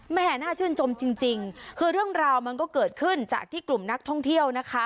น่าชื่นชมจริงคือเรื่องราวมันก็เกิดขึ้นจากที่กลุ่มนักท่องเที่ยวนะคะ